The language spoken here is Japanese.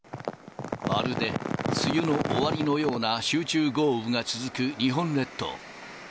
まるで梅雨の終わりのような集中豪雨が続く日本列島。